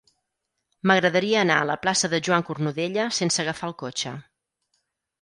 M'agradaria anar a la plaça de Joan Cornudella sense agafar el cotxe.